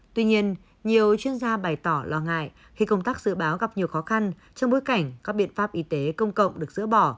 tuy nhiên nhiều chuyên gia bày tỏ lo ngại khi công tác dự báo gặp nhiều khó khăn trong bối cảnh các biện pháp y tế công cộng được dỡ bỏ